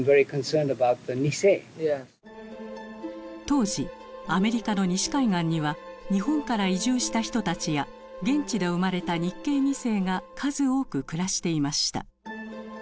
当時アメリカの西海岸には日本から移住した人たちや現地で生まれた日系二世が数多く暮らしていました。